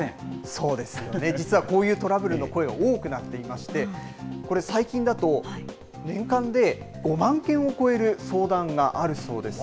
そうですよね、実はこういうトラブルの声、多くなっていまして、これ、最近だと年間で５万件を超える相談があるそうです。